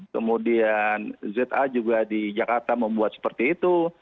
kemudian za juga di jakarta membuat seperti itu